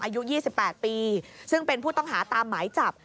อายุ๒๘ปีซึ่งเป็นผู้ต้องหาตามหมายจับ